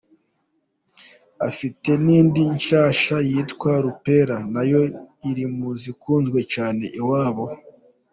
Afite n’indi nshyashya yitwa “Lupela” nayo iri mu zikunzwe cyane iwabo.